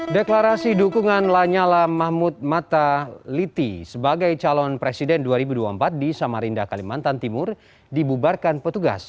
deklarasi dukungan lanyala mahmud mataliti sebagai calon presiden dua ribu dua puluh empat di samarinda kalimantan timur dibubarkan petugas